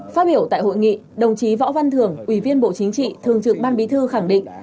phát biểu tại hội nghị đồng chí võ văn thưởng ủy viên bộ chính trị thường trực ban bí thư khẳng định